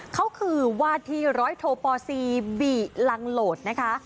เขาคือว่าที่ร้อยโทปซีบิลังโหลดนะคะ